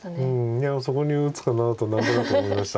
いやそこに打つかなと何となく思いました。